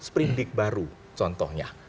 perindik baru contohnya